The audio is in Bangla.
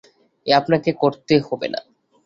এটা আপনাকে করতে হবে না।